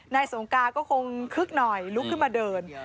สงกาก็คงคึกหน่อยลุกขึ้นมาเดิน